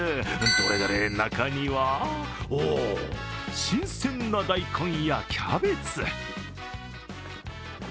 どれどれ中には新鮮な大根やキャベツ。